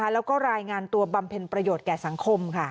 แล้วก็รายงานตัวบำเพ็ญประโยชน์แก่สังคม